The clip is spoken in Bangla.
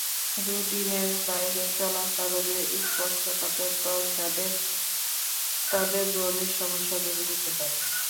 রুটিনের বাইরে চলার কারণে স্পর্শকাতর ত্বক যাদের, তাদের ব্রণের সমস্যা বেড়ে যেতে পারে।